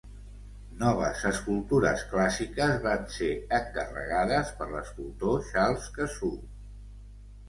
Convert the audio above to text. Noves escultures clàssiques van ser encarregades per l'escultor Charles Cassou.